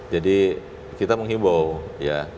jadi kita menghibur ya